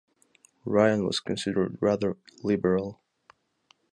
Ryan was considered rather liberal.